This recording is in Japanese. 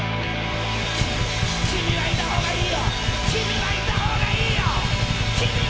君はいたほうがいいよ、君はいたほうがいいよ。